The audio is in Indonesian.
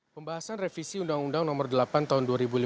pembahasan revisi undang undang nomor delapan tahun dua ribu lima belas